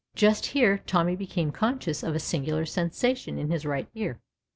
" Just here Tommy became conscious of a singular sensation in his right ear.